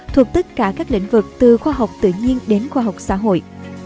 thuộc tất cả các lĩnh vực từ khoa học tự nhiên đến khoa học xã hội